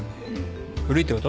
古いってこと？